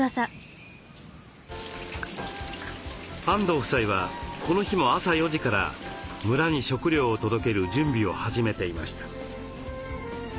安藤夫妻はこの日も朝４時から村に食料を届ける準備を始めていました。